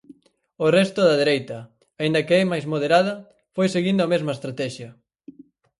O resto da dereita, aínda que é máis moderada, foi seguindo a mesma estratexia.